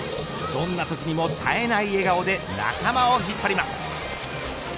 どんな時にも絶えない笑顔で仲間を引っ張ります。